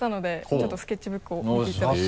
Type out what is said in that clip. ちょっとスケッチブックを見ていただいて。